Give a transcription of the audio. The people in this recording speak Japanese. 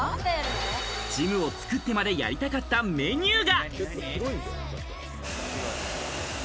ジムを作ってまでやりたかったメニューが。